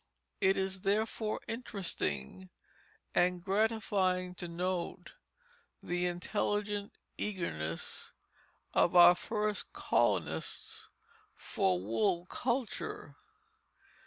It is, therefore, interesting and gratifying to note the intelligent eagerness of our first colonists for wool culture.